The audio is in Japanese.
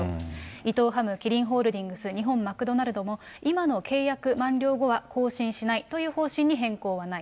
伊藤ハム、キリンホールディングス、日本マクドナルドも、今の契約満了後は更新しないという方針に変更はない。